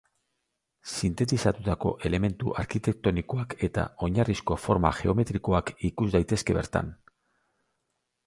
Sintetizatutako elementu arkitektonikoak eta oinarrizko forma geometrikoak ikus daitezke bertan.